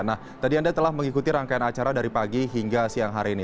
nah tadi anda telah mengikuti rangkaian acara dari pagi hingga siang hari ini